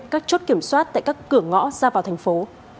các chốt kiểm soát tại các cửa ngõ ra vào thành phố